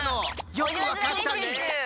よくわかったね。